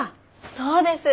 そうです！